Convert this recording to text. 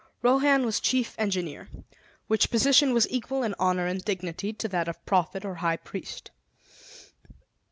Rohan was Chief Engineer, which position was equal in honor and dignity to that of Prophet or High Priest.